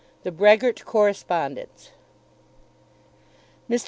THE BREHGERT CORRESPONDENCE. Mr.